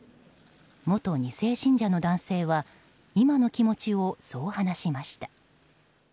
元２世信者の男性は今の気持ちをそう話しました。